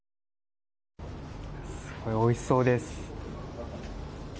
すごいおいしそうです。